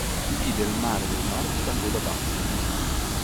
Divide il Mare del Nord da quello Baltico.